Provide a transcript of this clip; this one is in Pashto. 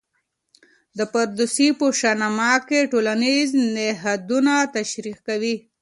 د فردوسي په شاه نامه کې ټولنیز نهادونه تشریح کوي.